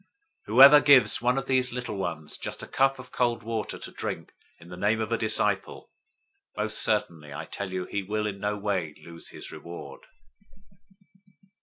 010:042 Whoever gives one of these little ones just a cup of cold water to drink in the name of a disciple, most certainly I tell you he will in no way lose his reward."